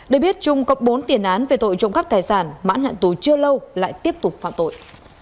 để biết trung có bốn tiền án về tội trộm cắp tài sản mãn hạn tù chưa lâu lại tiếp tục phạm tội